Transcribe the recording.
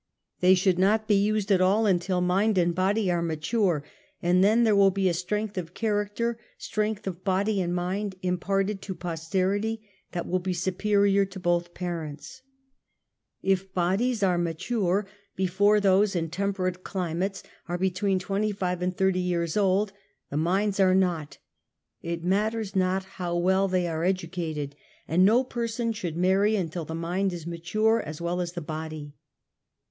They, should not be used at all until mind and body are mature, and then there will be a strength of character, strength of body and mind imparted to posterity that will be superior to both parents. If bodies are mature before those in temperate climates are between 25 and 30 years old, the minds are not, it matters not how^ well they are educated,, and no person should marry until the mind is mature as well as the body.